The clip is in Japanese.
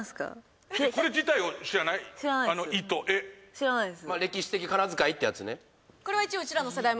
知らないです・